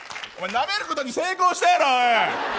なめることに成功したやろおい。